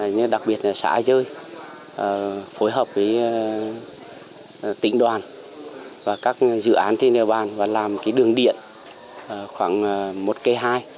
nhưng đặc biệt là xã dơi phối hợp với tỉnh đoàn và các dự án trên địa bàn và làm cái đường điện khoảng một kê hai